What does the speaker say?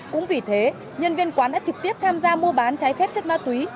cũng vì thế nhân viên quán đã trực tiếp tham gia mua bán trái phép chất ma túy